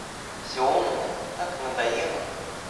Всё умное так надоело...